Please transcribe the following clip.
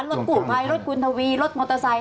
รถกู้ภัยรถคุณทวีรถมอเตอร์ไซค